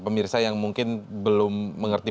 pemirsa yang mungkin belum mengerti